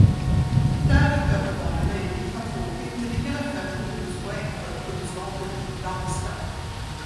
Därutöver var det möjligt att få ytterligare fem bonuspoäng för kunskaper i danska.